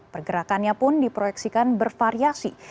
pergerakannya pun diproyeksikan bervariasi